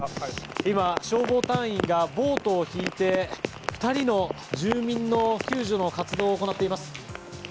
今、消防隊員がボートを引いて２人の住民の救助の活動を行っています。